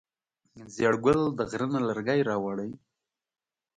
زیړ ګل د غره نه لرګی راوړی.